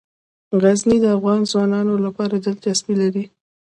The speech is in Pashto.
غزني د افغان ځوانانو لپاره دلچسپي لري.